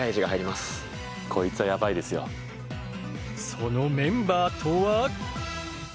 そのメンバーとは？